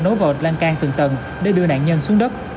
nối vào lan can tầng tầng để đưa nạn nhân xuống đất